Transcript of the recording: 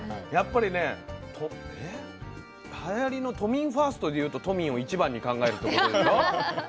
やっぱりねはやりの都民ファーストでいうと都民を一番に考えることでしょ。